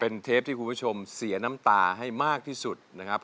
เป็นเทปที่คุณผู้ชมเสียน้ำตาให้มากที่สุดนะครับ